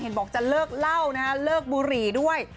เห็นบอกจะเลิกเหล้านะครับเลิกบุหรี่ด้วย